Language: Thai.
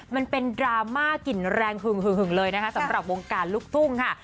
มันเป็นดราม่ากลิ่นแรงหึงเลยนะคะสำหรับวงการลูกทุ่งค่ะ